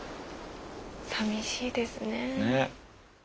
さみしいですね。ね。